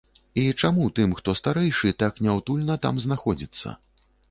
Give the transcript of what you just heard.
І чаму тым, хто старэйшы, так няўтульна там знаходзіцца?